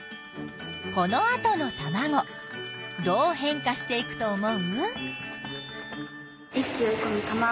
このあとのたまごどう変化していくと思う？